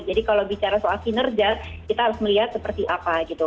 jadi kalau bicara soal kinerja kita harus melihat seperti apa